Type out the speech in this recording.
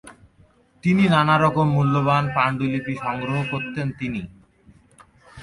তিনি নানা রকম মূল্যবান পাণ্ডুলিপি সংগ্রহ করতেন তিনি।